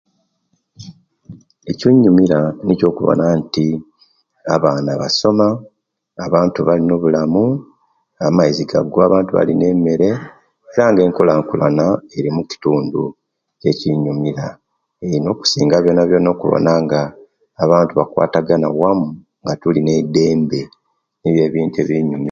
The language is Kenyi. Ekyinyumira nikyo okubona nti abaana basoma abantu balina obulamu amaizi gagwa abantu balima emere era ngaenkulakulana eli omu'kitundu nikyo ekyinyumira eeeh okusinga byonabyona okubona nti abantu bakwatagana wamu nga tulina eiddembe nibyo ebintu ebinyumira